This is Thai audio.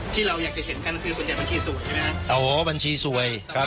ที่เราอยากจะเห็นกันคือส่วนใหญ่บัญชีสวยใช่ไหมฮะอ๋อบัญชีสวยครับ